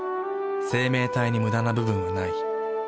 生命体にムダな部分はない。